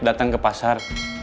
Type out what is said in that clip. datang ke pasar